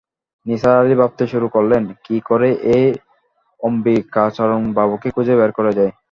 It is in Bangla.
নিসার আলি ভাবতে শুরু করলেন, কি করে এই অম্বিকাচরণবাবুকে খুঁজে বের করা যায়।